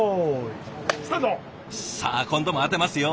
さあ今度も当てますよ。